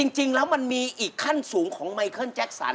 จริงแล้วมันมีอีกขั้นสูงของไมเคิลแจ็คสัน